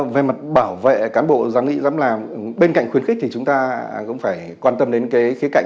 về mặt bảo vệ cán bộ dám nghĩ dám làm bên cạnh khuyến khích thì chúng ta cũng phải quan tâm đến cái khía cạnh